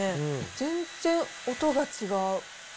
全然音が違う。